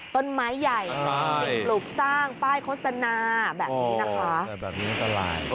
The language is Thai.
ต้นไม้ใหญ่สิ่งปลูกสร้างป้ายโฆษณาแบบนี้นะคะ